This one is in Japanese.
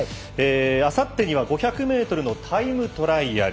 あさってには５００ｍのタイムトライアル。